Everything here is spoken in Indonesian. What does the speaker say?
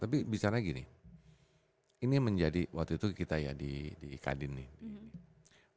tapi bicara gini ini menjadi waktu itu kita ya di kadin nih